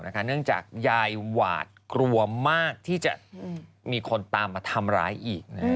เนื่องจากยายหวาดกลัวมากที่จะมีคนตามมาทำร้ายอีก